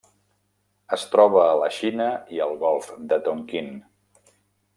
Es troba a la Xina i al Golf de Tonquín.